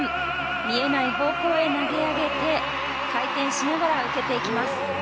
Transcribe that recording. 見えない方向へ投げ上げて回転しながら受けていきます。